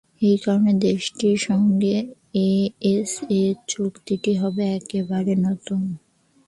এ কারণে দেশটির সঙ্গে এএসএ চুক্তিটি হবে একেবারে নতুন।